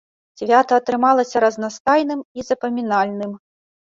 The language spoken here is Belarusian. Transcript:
Свята атрымалася разнастайным і запамінальным.